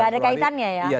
tidak ada kaitannya ya